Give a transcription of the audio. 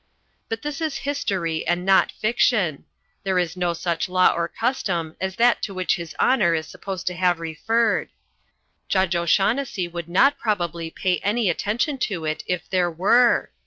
But this is history and not fiction. There is no such law or custom as that to which his Honor is supposed to have referred; Judge O'Shaunnessy would not probably pay any attention to it if there were.